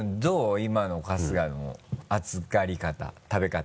今の春日の熱がり方食べ方。